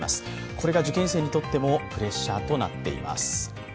これが受験生にとってもプレッシャーとなっています。